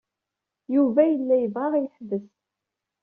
Yuba yella yebɣa ad aɣ-yeḥbes.